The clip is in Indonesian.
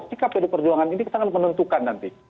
sikap pdi perjuangan ini sangat menentukan nanti